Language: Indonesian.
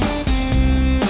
ya itu dia